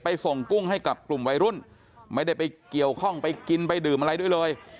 ส่งกุ้งให้กับกลุ่มวัยรุ่นไม่ได้ไปเกี่ยวข้องไปกินไปดื่มอะไรด้วยเลย